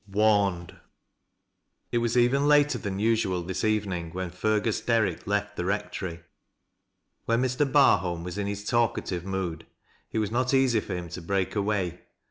WAJRNED. It was even later than usual this evening when Fergus Dmick left the rectory. "When Mr. Barholm was in his talkative mood, it was not easy for him to break "away.